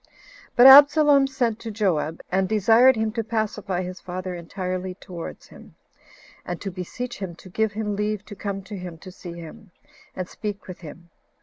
But Absalom sent to Joab, and desired him to pacify his father entirely towards him; and to beseech him to give him leave to come to him to see him, and speak with him.